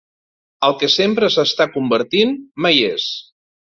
El que sempre s'està convertint, mai és